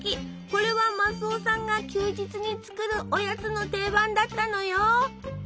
これはマスオさんが休日に作るおやつの定番だったのよ！